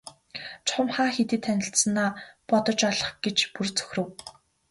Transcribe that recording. Чухам хаа хэдийд танилцсанаа бодож олох гэж бүр цөхрөв.